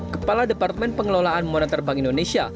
kepala departemen pengelolaan moneter bank indonesia